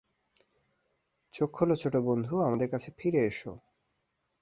চোখ খোলো, ছোট বন্ধু, আমাদের কাছে ফিরে এসো।